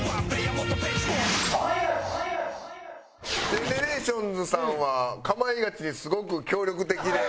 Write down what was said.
ＧＥＮＥＲＡＴＩＯＮＳさんは『かまいガチ』にすごく協力的で。